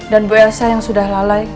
dan bu elsa yang sudah lalai